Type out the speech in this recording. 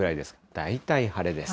大体晴れです。